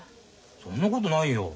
そんなことないよ。